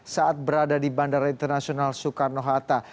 saat berada di bandara internasional soekarno hatta